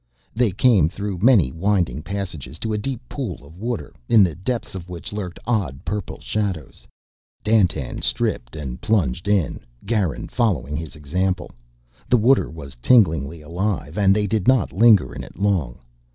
They came, through many winding passages, to a deep pool of water, in the depths of which lurked odd purple shadows. Dandtan stripped and plunged in, Garin following his example. The water was tinglingly alive and they did not linger in it long.